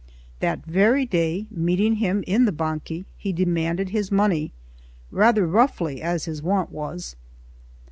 That very day, meeting him in the Banchi, he demanded his money rather roughly, as his wont was.